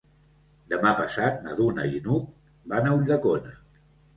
Demà passat na Duna i n'Hug van a Ulldecona.